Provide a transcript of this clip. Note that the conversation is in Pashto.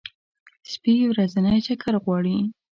سپي ورځنی چکر غواړي.